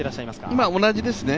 今、同じですね。